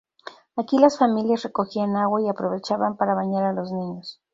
Aquí las familias recogían agua y aprovechaban para bañar a los niños.